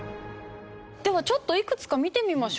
ではちょっといくつか見てみましょうか。